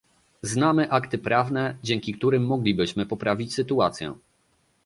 Znamy akty prawne, dzięki którym moglibyśmy poprawić sytuację